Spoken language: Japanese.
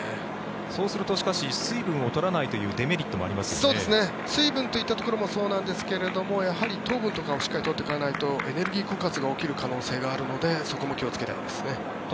そうすると水分を取らないという水分といったところもそうなんですけれどもやはり糖分をしっかり取っておかないとエネルギー枯渇が起きる可能性があるので気をつけたいです。